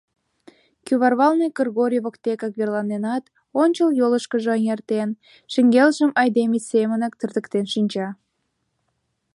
Кӱварвалне Кыргорий воктекак верланенат, ончыл йолышкыжо эҥертен, шеҥгелжым айдеме семынак тыртыктен шинча.